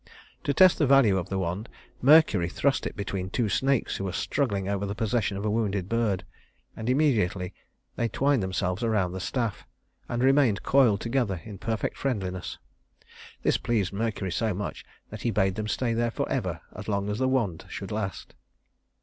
To test the value of the wand Mercury thrust it between two snakes which were struggling over the possession of a wounded bird; and immediately they twined themselves around the staff, and remained coiled together in perfect friendliness. This pleased Mercury so much that he bade them stay there forever as long as the wand should last.